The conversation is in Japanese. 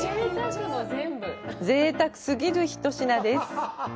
ぜいたくすぎる一品です。